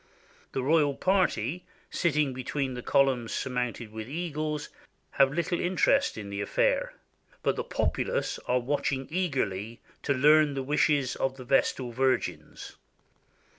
The royal party, sitting between the columns surmounted with eagles, have little interest in the affair, but the populace are watching eagerly to learn the wishes of the Vestal Virgins.